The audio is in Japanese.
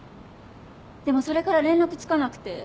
でもそれから連絡つかなくて。